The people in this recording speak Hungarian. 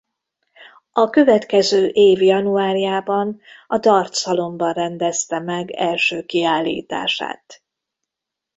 A következő év januárjában a D’Art Szalonban rendezte meg első kiállítását.